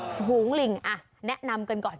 สูงลิงแนะนำกันก่อน